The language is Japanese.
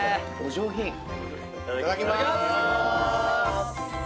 「いただきます」